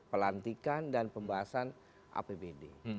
pelantikan dan pembahasan apbd